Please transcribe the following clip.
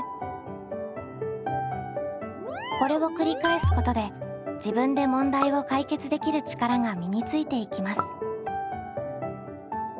これを繰り返すことで自分で問題を解決できる力が身についていきます。